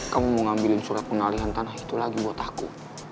kamu mau ngambilin surat pengalihan tanah itu lagi buat aku